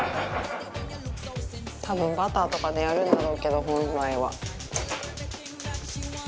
多分バターとかでやるんだろうけど本来は。